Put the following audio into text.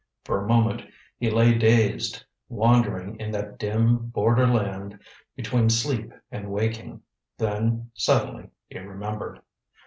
For a moment he lay dazed, wandering in that dim borderland between sleep and waking. Then, suddenly, he remembered.